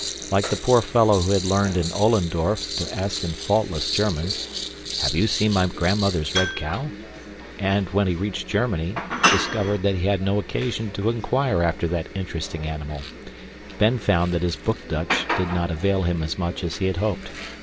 Like the poor fellow who had learned in Ollendorf to ask in faultless German, "Have you seen my grandmother's red cow?" and, when he reached Germany, discovered that he had no occasion to inquire after that interesting animal, Ben found that his book Dutch did not avail him as much as he had hoped.